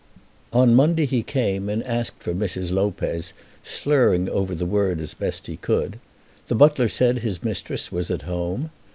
On Monday he came, and asked for Mrs. Lopez, slurring over the word as best he could. The butler said his mistress was at home.